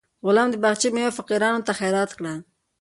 غلام د باغچې میوه فقیرانو ته خیرات کړه.